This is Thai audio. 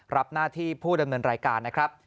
รับหน้าที่ผู้ดำเนินรายการนะครับ